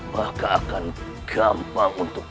maka akan gampang untuk